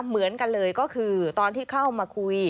เหมือนกันเลยก็คือตอนที่เข้ามาคุย